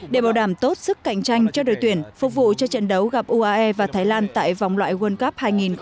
để bảo đảm tốt sức cạnh tranh cho đội tuyển phục vụ cho trận đấu gặp uae và thái lan tại vòng loại world cup hai nghìn hai mươi